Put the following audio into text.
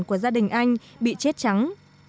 của gia đình anh bị chết trắng